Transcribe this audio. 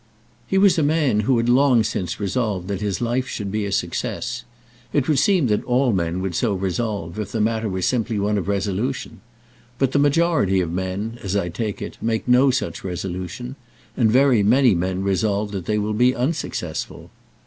He was a man who had long since resolved that his life should be a success. It would seem that all men would so resolve, if the matter were simply one of resolution. But the majority of men, as I take it, make no such resolution, and very many men resolve that they will be unsuccessful.